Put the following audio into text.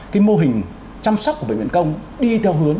cái mô hình chăm sóc của bệnh viện công đi theo hướng